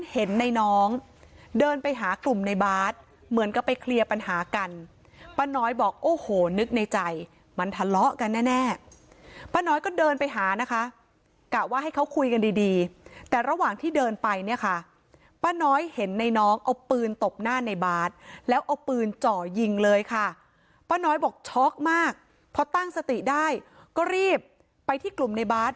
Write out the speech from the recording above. เห็นในน้องเดินไปหากลุ่มในบาสเหมือนกับไปเคลียร์ปัญหากันป้าน้อยบอกโอ้โหนึกในใจมันทะเลาะกันแน่ป้าน้อยก็เดินไปหานะคะกะว่าให้เขาคุยกันดีดีแต่ระหว่างที่เดินไปเนี่ยค่ะป้าน้อยเห็นในน้องเอาปืนตบหน้าในบาสแล้วเอาปืนจ่อยิงเลยค่ะป้าน้อยบอกช็อกมากพอตั้งสติได้ก็รีบไปที่กลุ่มในบาส